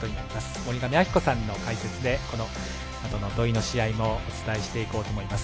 森上亜希子さんの解説でこのあとの土居の試合もお伝えしていこうと思います。